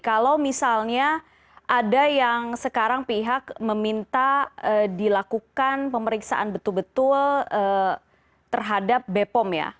kalau misalnya ada yang sekarang pihak meminta dilakukan pemeriksaan betul betul terhadap bepom ya